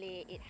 ya sangat indah